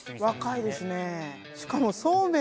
若いですね